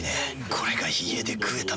これが家で食えたなら。